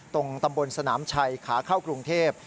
ตรงตำบลสนามชัยขาเข้ากรุงเทพ